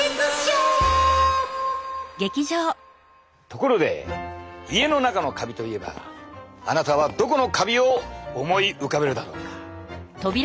ところで家の中のカビといえばあなたはどこのカビを思い浮かべるだろうか？